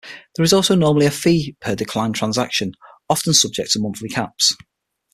There is also normally a fee per declined transaction, often subject to monthly caps.